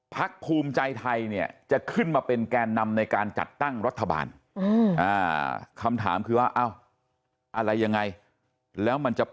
พรรคภูมิใจไทยจะขึ้นมาเป็นแก่นำในการจัดตั้งรัฐบาล